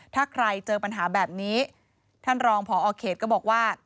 ถ้าใครเจอปัญหาแบบนี้ท่านรองพอเขตก็บอกว่า